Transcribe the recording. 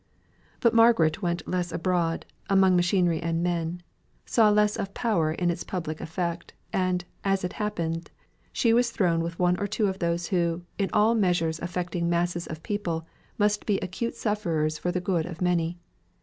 But Margaret went less abroad, among machinery and men; saw less of power in its public effect, and, as it happened, she was thrown with one or two of those who, in all measures affecting masses of people, must be acute sufferers for the good of many.